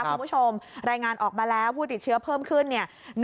คุณผู้ชมรายงานออกมาแล้วผู้ติดเชื้อเพิ่มขึ้นเนี่ย